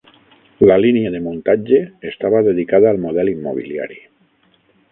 La línia de muntatge estava dedicada al model immobiliari.